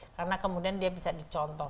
karena kemudian dia bisa dicontoh